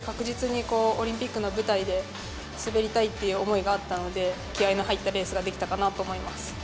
残り代表１枠というところで、やっぱり確実にオリンピックの舞台で滑りたいっていう思いがあったので、気合いの入ったレースができたかなと思います。